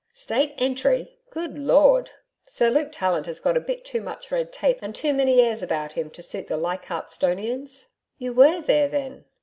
'State Entry! Good Lord! Sir Luke Tallant has got a bit too much red tape and too many airs about him to suit the Leichardt'stonians.' 'You WERE there, then?'